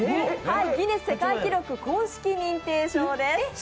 ギネス世界記録公式認定証です。